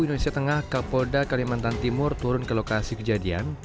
indonesia tengah ke polda kalimantan timur turun ke lokasi kejadian